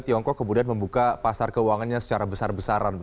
tiongkok kemudian membuka pasar keuangannya secara besar besaran